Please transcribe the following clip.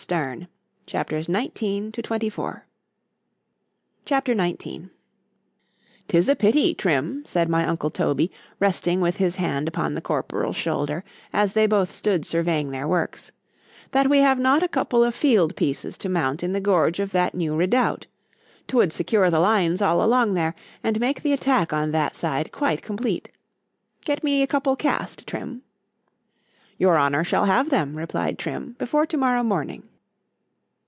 'Tis my own affair: I'll explain it myself. C H A P. XIX 'TIS a pity, Trim, said my uncle Toby, resting with his hand upon the corporal's shoulder, as they both stood surveying their works,—that we have not a couple of field pieces to mount in the gorge of that new redoubt;—'twould secure the lines all along there, and make the attack on that side quite complete:——get me a couple cast, Trim. Your honour shall have them, replied Trim, before tomorrow morning.